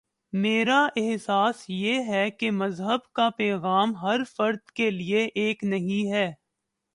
میرا احساس یہ ہے کہ مذہب کا پیغام ہر فرد کے لیے ایک نہیں ہے۔